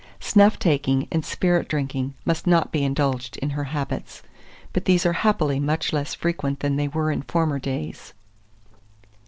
Snuff taking and spirit drinking must not be included in her habits; but these are happily much less frequent than they were in former days.